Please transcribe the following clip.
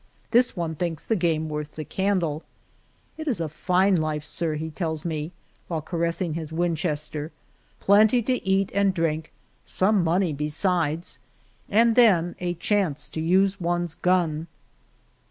This one thinks the game worth the candle. It is a fine life, sir," he tells me, while ca ressing his Winchester ;plenty to eat and drink, some money besides, and then a chance to use one's gun."